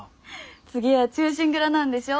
次は「忠臣蔵」なんでしょ？